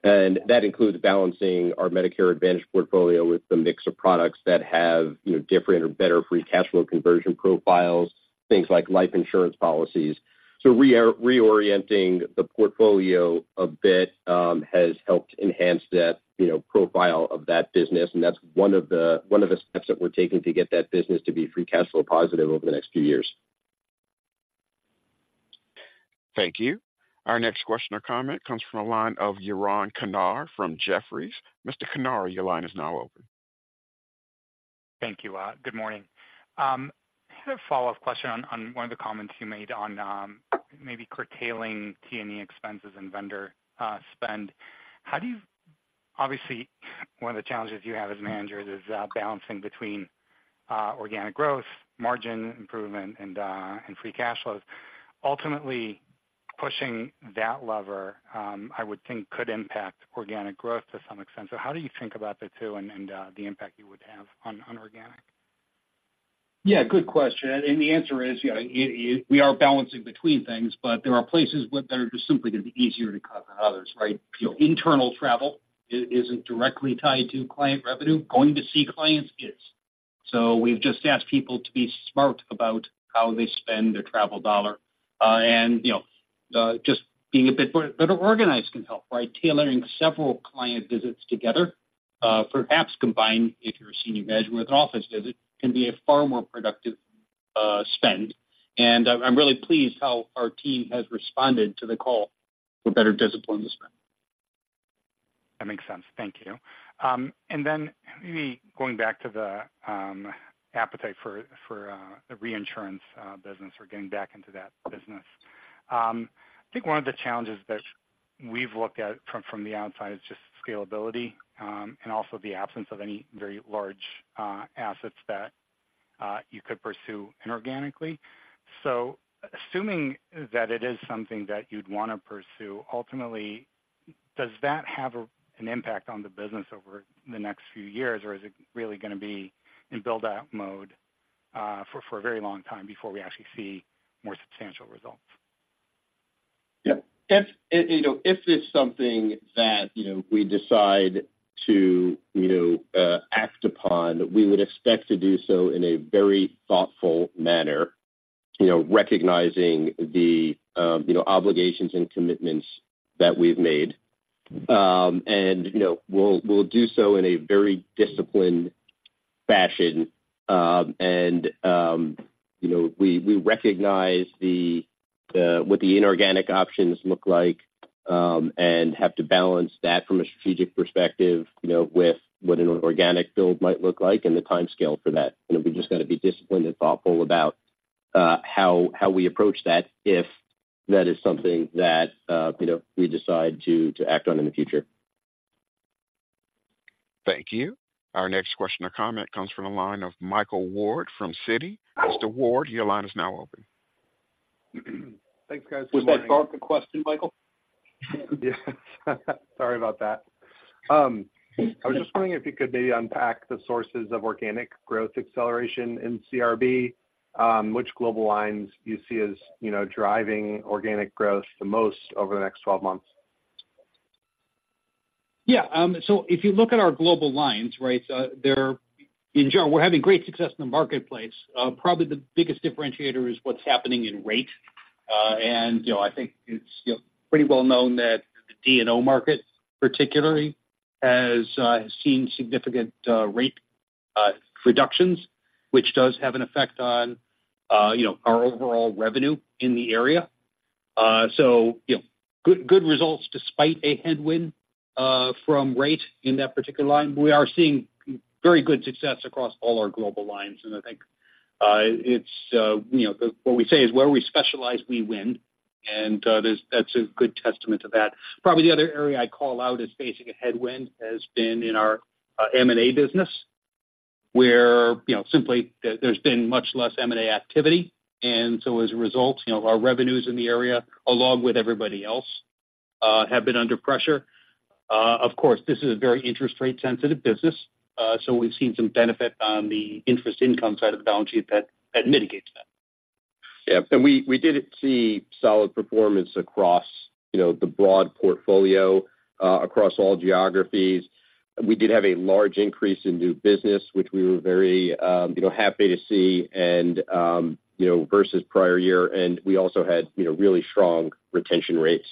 And that includes balancing our Medicare Advantage portfolio with the mix of products that have, you know, different or better Free Cash Flow conversion profiles, things like life insurance policies. So reorienting the portfolio a bit has helped enhance that, you know, profile of that business, and that's one of the steps that we're taking to get that business to be Free Cash Flow positive over the next few years. Thank you. Our next question or comment comes from the line of Yaron Kinar from Jefferies. Mr. Kinar, your line is now open. Thank you. Good morning. I had a follow-up question on one of the comments you made on maybe curtailing T&E expenses and vendor spend. How do you... Obviously, one of the challenges you have as managers is balancing between organic growth, margin improvement, and free cash flows. Ultimately, pushing that lever, I would think could impact organic growth to some extent. So how do you think about the two and the impact you would have on organic? Yeah, good question. And the answer is, you know, it we are balancing between things, but there are places where they're just simply going to be easier to cut than others, right? You know, internal travel isn't directly tied to client revenue, going to see clients is. So we've just asked people to be smart about how they spend their travel dollar. And, you know, just being a bit more better organized can help, by tailoring several client visits together, perhaps combine, if you're a senior manager with an office visit, can be a far more productive spend. And I'm really pleased how our team has responded to the call for better discipline this month. That makes sense. Thank you. And then maybe going back to the appetite for the reinsurance business or getting back into that business. I think one of the challenges that we've looked at from the outside is just scalability and also the absence of any very large assets that you could pursue inorganically. So assuming that it is something that you'd want to pursue, ultimately, does that have an impact on the business over the next few years, or is it really gonna be in build-out mode?... for a very long time before we actually see more substantial results. Yep. If, you know, if it's something that, you know, we decide to, you know, act upon, we would expect to do so in a very thoughtful manner, you know, recognizing the, you know, obligations and commitments that we've made. And, you know, we'll do so in a very disciplined fashion. And, you know, we recognize the what the inorganic options look like, and have to balance that from a strategic perspective, you know, with what an organic build might look like and the timescale for that. You know, we've just got to be disciplined and thoughtful about how we approach that, if that is something that, you know, we decide to act on in the future. Thank you. Our next question or comment comes from the line of Michael Ward from Citi. Mr. Ward, your line is now open. Thanks, guys. Was that start the question, Michael? Yes, sorry about that. I was just wondering if you could maybe unpack the sources of organic growth acceleration in CRB, which global lines do you see as, you know, driving organic growth the most over the next 12 months? Yeah, so if you look at our global lines, right, they're in general, we're having great success in the marketplace. Probably the biggest differentiator is what's happening in rate. And, you know, I think it's, you know, pretty well known that the D&O market particularly has seen significant rate reductions, which does have an effect on, you know, our overall revenue in the area. So, you know, good, good results despite a headwind from rate in that particular line. We are seeing very good success across all our global lines, and I think it's, you know, the what we say is: Where we specialize, we win, and, there's that's a good testament to that. Probably the other area I'd call out as facing a headwind has been in our M&A business, where, you know, simply there, there's been much less M&A activity, and so as a result, you know, our revenues in the area, along with everybody else, have been under pressure. Of course, this is a very interest rate sensitive business, so we've seen some benefit on the interest income side of the balance sheet that, that mitigates that. Yeah, and we did see solid performance across, you know, the broad portfolio, across all geographies. We did have a large increase in new business, which we were very, you know, happy to see and, you know, versus prior year. And we also had, you know, really strong retention rates,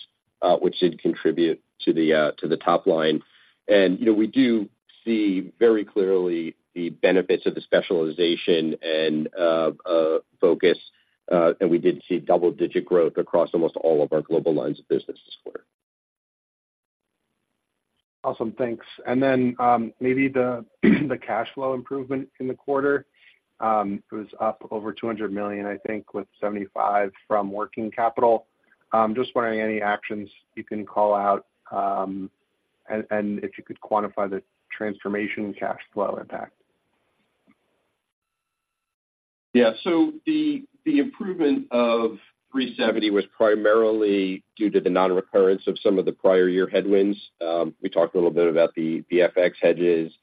which did contribute to the top line. And, you know, we do see very clearly the benefits of the specialization and focus, and we did see double-digit growth across almost all of our global lines of business this quarter. Awesome. Thanks. And then, maybe the cash flow improvement in the quarter, it was up over $200 million, I think, with $75 million from working capital. Just wondering any actions you can call out, and if you could quantify the transformation cash flow impact. Yeah. So the improvement of 370 was primarily due to the nonrecurrence of some of the prior year headwinds. We talked a little bit about the FX hedges,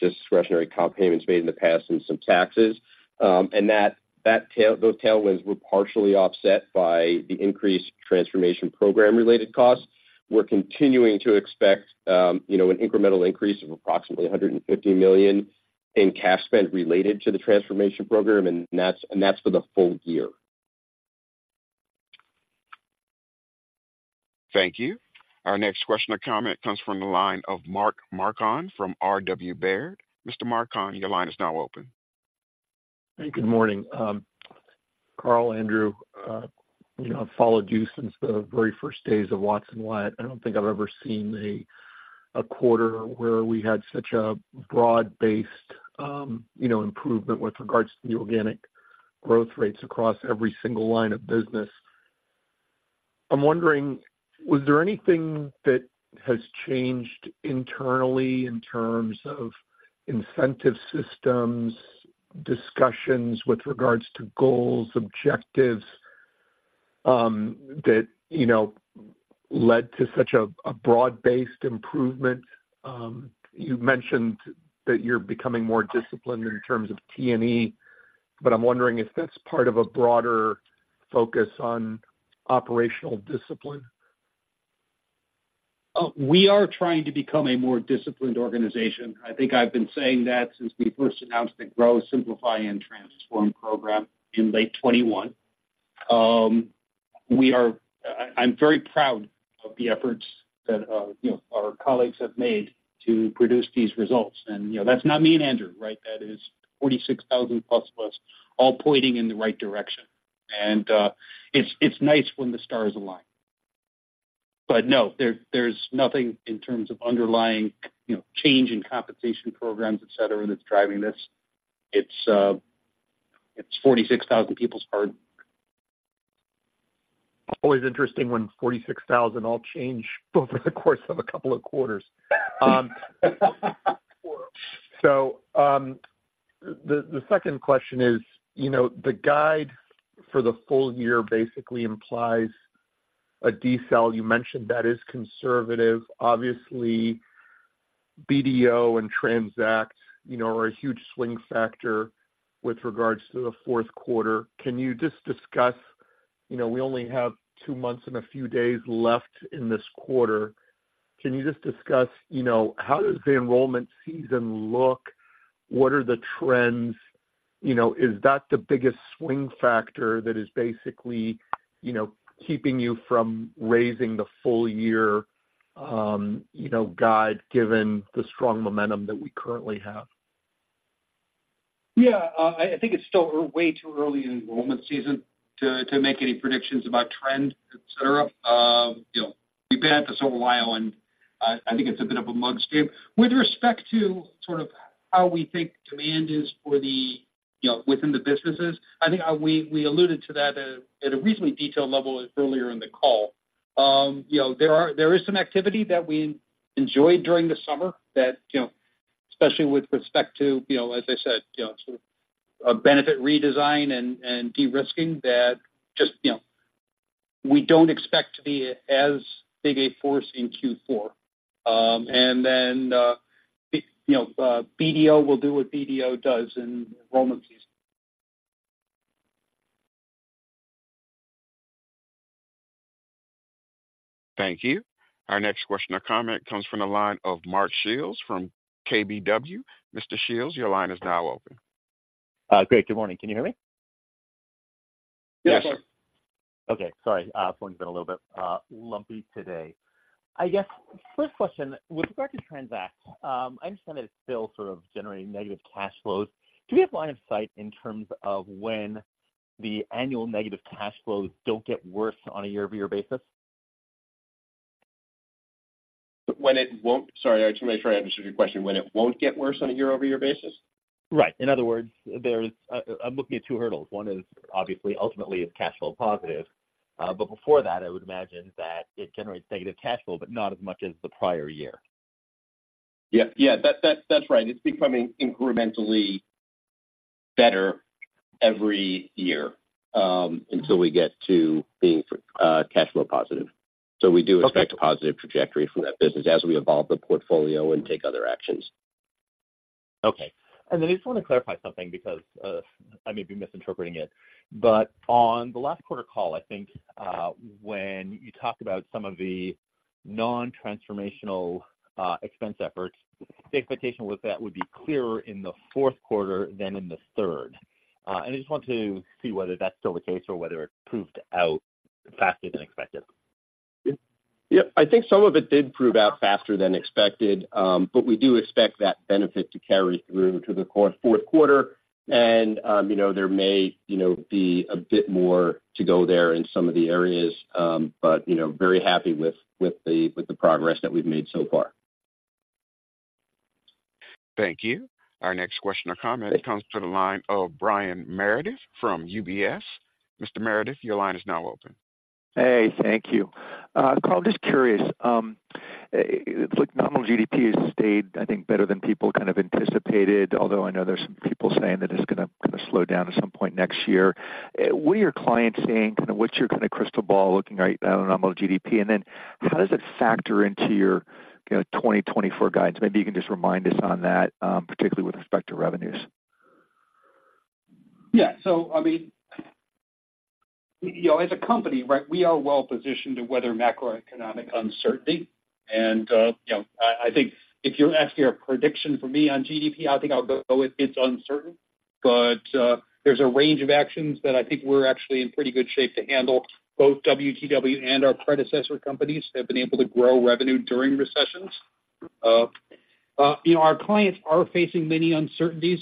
discretionary comp payments made in the past and some taxes. And those tailwinds were partially offset by the increased transformation program-related costs. We're continuing to expect, you know, an incremental increase of approximately $150 million in cash spend related to the transformation program, and that's for the full-year. Thank you. Our next question or comment comes from the line of Mark Marcon from RW Baird. Mr. Marcon, your line is now open. Hey, good morning. Carl, Andrew, you know, I've followed you since the very first days of Watson Wyatt. I don't think I've ever seen a quarter where we had such a broad-based, you know, improvement with regards to the organic growth rates across every single line of business. I'm wondering, was there anything that has changed internally in terms of incentive systems, discussions with regards to goals, objectives, that, you know, led to such a broad-based improvement? You mentioned that you're becoming more disciplined in terms of T&E, but I'm wondering if that's part of a broader focus on operational discipline. We are trying to become a more disciplined organization. I think I've been saying that since we first announced the Grow, Simplify, and Transform program in late 2021. We are -- I, I'm very proud of the efforts that, you know, our colleagues have made to produce these results. And, you know, that's not me and Andrew, right? That is 46,000 plus plus, all pointing in the right direction. And, it's, it's nice when the stars align. But no, there, there's nothing in terms of underlying, you know, change in compensation programs, et cetera, that's driving this. It's, it's 46,000 people's hard work. Always interesting when 46,000 all change over the course of a couple of quarters. So, the second question is, you know, the guide for the full-year basically implies a decel. You mentioned that is conservative. Obviously, BD&O and TRANZACT, you know, are a huge swing factor with regards to the fourth quarter. Can you just discuss, you know, we only have two months and a few days left in this quarter. Can you just discuss, you know, how does the enrollment season look? What are the trends? You know, is that the biggest swing factor that is basically, you know, keeping you from raising the full-year, you know, guide, given the strong momentum that we currently have? Yeah. I think it's still way too early in enrollment season to make any predictions about trends, et cetera. You know, we've been at this a while, and I think it's a bit of a mug's game. With respect to sort of how we think demand is for the, you know, within the businesses, I think we alluded to that at a reasonably detailed level earlier in the call. You know, there is some activity that we enjoyed during the summer that, you know, especially with respect to, you know, as I said, you know, sort of a benefit redesign and de-risking that just, you know, we don't expect to be as big a force in Q4. And then, you know, BD&O will do what BD&O does in enrollment season. Thank you. Our next question or comment comes from the line of Meyer Shields from KBW. Mr. Shields, your line is now open. Great. Good morning. Can you hear me? Yes. Okay, sorry. Phone's been a little bit lumpy today. I guess, first question: with regard to TRANZACT, I understand it's still sort of generating negative cash flows. Do we have line of sight in terms of when the annual negative cash flows don't get worse on a year-over-year basis? Sorry, I just want to make sure I understood your question. When it won't get worse on a year-over-year basis? Right. In other words, there's, I'm looking at two hurdles. One is obviously, ultimately, it's cash flow positive. But before that, I would imagine that it generates negative cash flow, but not as much as the prior year. Yeah. Yeah, that's, that's right. It's becoming incrementally better every year, until we get to being cash flow positive. Okay. We do expect a positive trajectory from that business as we evolve the portfolio and take other actions. Okay. And then I just want to clarify something because, I may be misinterpreting it. But on the last quarter call, I think, when you talked about some of the non-transformational, expense efforts, the expectation was that would be clearer in the fourth quarter than in the third. And I just want to see whether that's still the case or whether it proved out faster than expected. Yeah. I think some of it did prove out faster than expected, but we do expect that benefit to carry through to the core fourth quarter. And, you know, there may, you know, be a bit more to go there in some of the areas, but, you know, very happy with, with the, with the progress that we've made so far. Thank you. Our next question or comment comes to the line of Brian Meredith from UBS. Mr. Meredith, your line is now open. Hey, thank you. Carl, just curious, it looks like nominal GDP has stayed, I think, better than people kind of anticipated, although I know there's some people saying that it's gonna kind of slow down at some point next year. What are your clients saying? Kind of what's your kind of crystal ball looking at nominal GDP? And then how does it factor into your, you know, 2024 guidance? Maybe you can just remind us on that, particularly with respect to revenues. Yeah. So I mean, you know, as a company, right, we are well positioned to weather macroeconomic uncertainty. And, you know, I, I think if you're asking a prediction for me on GDP, I think I'll go with it's uncertain. But, there's a range of actions that I think we're actually in pretty good shape to handle. Both WTW and our predecessor companies have been able to grow revenue during recessions. You know, our clients are facing many uncertainties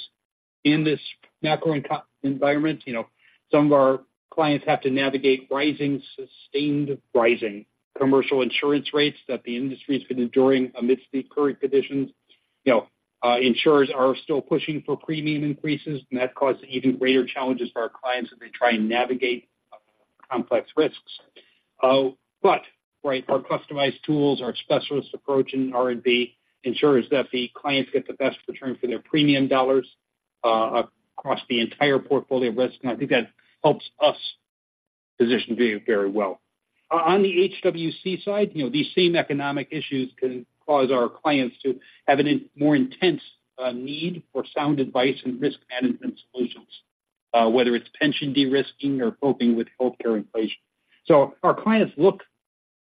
in this macroeconomic environment. You know, some of our clients have to navigate rising, sustained rising commercial insurance rates that the industry's been enduring amidst the current conditions. You know, insurers are still pushing for premium increases, and that causes even greater challenges for our clients as they try and navigate complex risks. But, right, our customized tools, our specialist approach in R&D ensures that the clients get the best return for their premium dollars, across the entire portfolio of risk, and I think that helps us position very, very well. On the HWC side, you know, these same economic issues can cause our clients to have a more intense need for sound advice and risk management solutions, whether it's pension de-risking or coping with healthcare inflation. So our clients look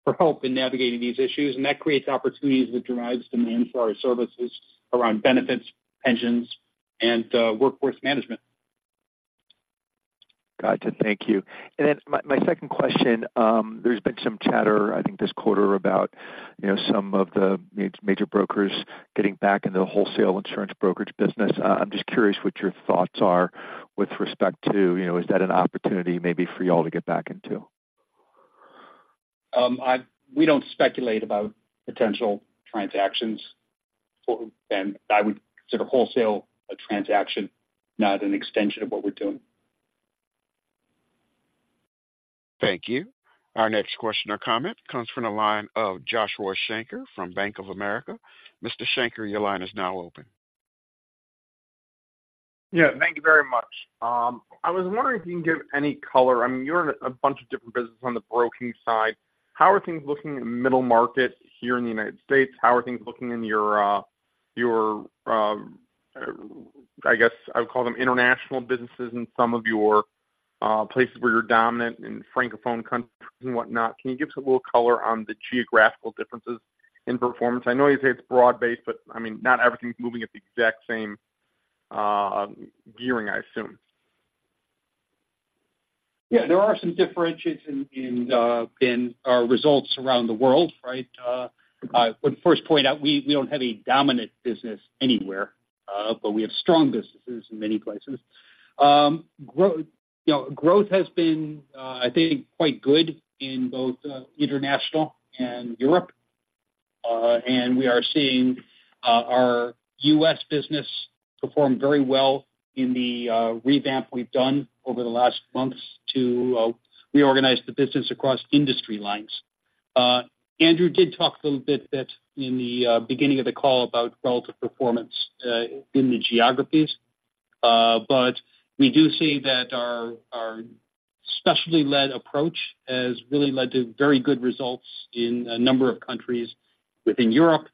for help in navigating these issues, and that creates opportunities that drives demand for our services around benefits, pensions, and workforce management. Gotcha. Thank you. And then my second question, there's been some chatter, I think, this quarter about, you know, some of the major brokers getting back into the wholesale insurance brokerage business. I'm just curious what your thoughts are with respect to, you know, is that an opportunity maybe for y'all to get back into? We don't speculate about potential transactions, and I would consider wholesale a transaction, not an extension of what we're doing. Thank you. Our next question or comment comes from the line of Joshua Shanker from Bank of America. Mr. Shanker, your line is now open.... Yeah, thank you very much. I was wondering if you can give any color. I mean, you're in a bunch of different businesses on the broking side. How are things looking in the middle market here in the United States? How are things looking in your international businesses in some of your places where you're dominant in Francophone countries and whatnot. Can you give us a little color on the geographical differences in performance? I know you say it's broad-based, but I mean, not everything's moving at the exact same gearing, I assume. Yeah, there are some differentiators in, in, in our results around the world, right? I would first point out, we, we don't have a dominant business anywhere, but we have strong businesses in many places. You know, growth has been, I think, quite good in both, international and Europe. And we are seeing, our U.S. business perform very well in the, revamp we've done over the last months to, reorganize the business across industry lines. Andrew did talk a little bit, bit in the, beginning of the call about relative performance, in the geographies. But we do see that our specialty-led approach has really led to very good results in a number of countries within Europe,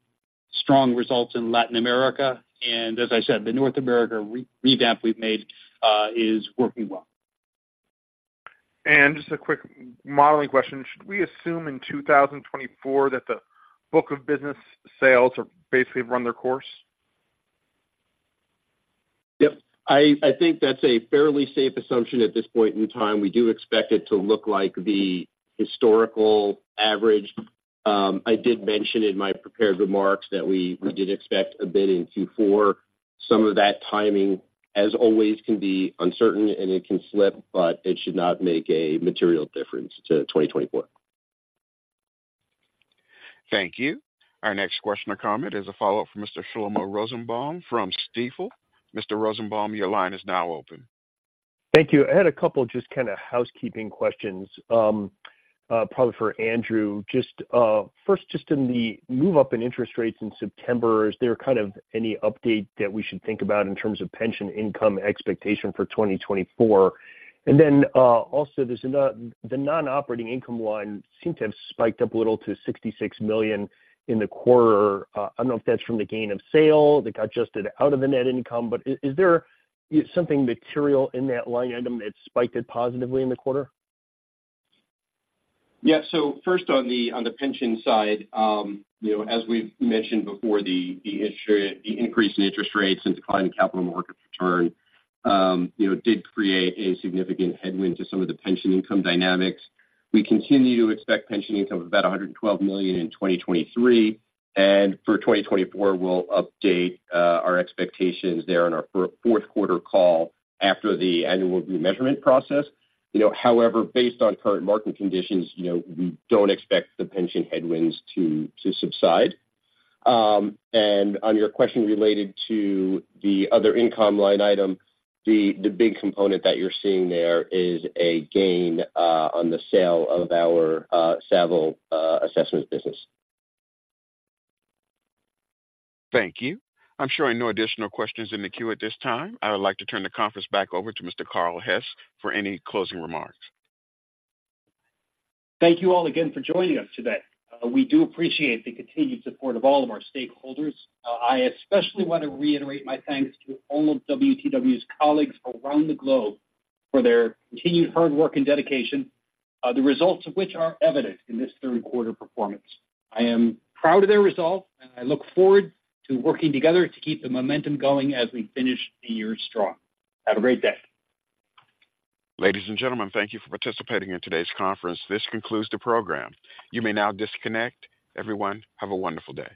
strong results in Latin America, and as I said, the North America revamp we've made is working well. Just a quick modeling question: Should we assume in 2024 that the book of business sales are basically run their course? Yep. I think that's a fairly safe assumption at this point in time. We do expect it to look like the historical average. I did mention in my prepared remarks that we did expect a bit in 2024. Some of that timing, as always, can be uncertain, and it can slip, but it should not make a material difference to 2024. Thank you. Our next question or comment is a follow-up from Mr. Shlomo Rosenbaum from Stifel. Mr. Rosenbaum, your line is now open. Thank you. I had a couple just kinda housekeeping questions, probably for Andrew. Just, first, just in the move up in interest rates in September, is there kind of any update that we should think about in terms of pension income expectation for 2024? And then, also, there's the non-operating income line seemed to have spiked up a little to $66 million in the quarter. I don't know if that's from the gain on sale that got adjusted out of the net income, but is there something material in that line item that spiked it positively in the quarter? Yeah. So first on the pension side, you know, as we've mentioned before, the increase in interest rates and decline in capital market return, you know, did create a significant headwind to some of the pension income dynamics. We continue to expect pension income of about $112 million in 2023, and for 2024, we'll update our expectations there on our fourth quarter call after the annual remeasurement process. You know, however, based on current market conditions, you know, we don't expect the pension headwinds to subside. And on your question related to the other income line item, the big component that you're seeing there is a gain on the sale of our Saville Assessment business. Thank you. I'm showing no additional questions in the queue at this time. I would like to turn the conference back over to Mr. Carl Hess for any closing remarks. Thank you all again for joining us today. We do appreciate the continued support of all of our stakeholders. I especially want to reiterate my thanks to all of WTW's colleagues around the globe for their continued hard work and dedication, the results of which are evident in this third quarter performance. I am proud of their results, and I look forward to working together to keep the momentum going as we finish the year strong. Have a great day. Ladies and gentlemen, thank you for participating in today's conference. This concludes the program. You may now disconnect. Everyone, have a wonderful day.